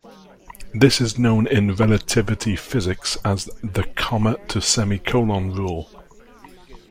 This is known in relativity physics as the "comma to semi-colon rule".